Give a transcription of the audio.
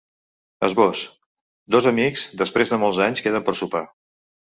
Esbós: Dos amics, després de molts anys, queden per sopar.